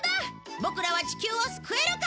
ボクらは地球を救えるか？